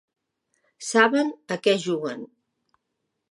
Saben a què juguen.